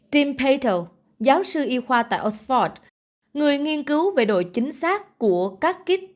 tim pato giáo sư y khoa tại oxford người nghiên cứu về độ chính xác của các kết test nhanh